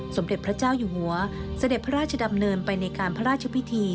สมเด็จพระเจ้าอยู่หัวเสด็จพระราชดำเนินไปในการพระราชพิธี